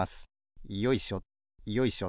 よいしょよいしょ。